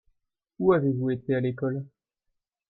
Où avez-vous été à l'école ?